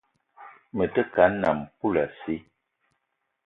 Me te ke a nnam poulassi